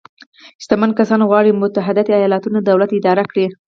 شتمن کسان غواړي متحده ایالتونو دولت اداره کړي.